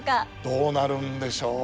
どうなるんでしょう？